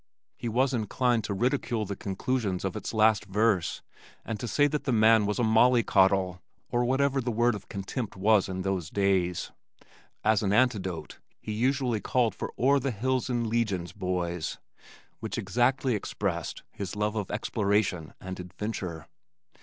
He was inclined to ridicule the conclusions of its last verse and to say that the man was a molly coddle or whatever the word of contempt was in those days. As an antidote he usually called for "O'er the hills in legions, boys," which exactly expressed his love of exploration and adventure.